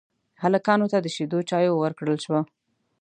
هلکانو ته د شيدو چايو ورکړل شوه.